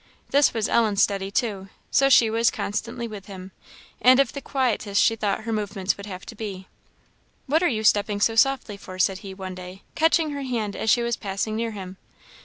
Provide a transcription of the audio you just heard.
This was Ellen's study too, so she was constantly with him; and of the quietest she thought her movements would have to be. "What are you stepping so softly for?" said he, one day, catching her hand as she was passing near him.